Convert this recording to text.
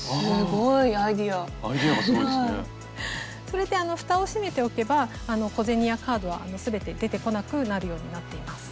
それでふたを閉めておけば小銭やカードは全て出てこなくなるようになっています。